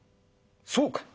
そうか！